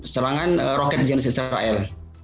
serangan roket zionis israel